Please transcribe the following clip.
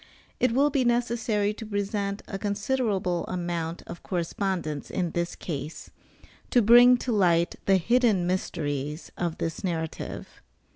It will be necessary to present a considerable amount of correspondence in this case, to bring to light the hidden mysteries of this narrative.